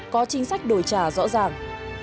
có chính sách đổi trả rõ ràng